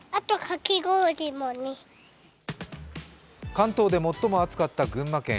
関東で最も暑かった群馬県。